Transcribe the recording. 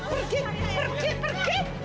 pergi pergi pergi